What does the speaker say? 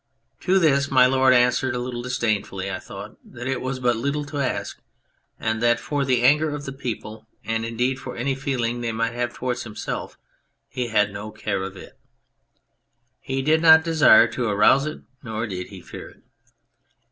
To this My Lord answered, a little disdainfully I thought, that it was but little to ask, and that for the anger of the people, and indeed for any feeling they might have towards himself, he had no care of it. He did not desire to arouse it, nor did he fear it.